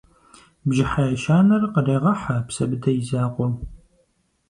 Бжьыхьэ ещанэр къырегъэхьэ Псэбыдэ и закъуэу.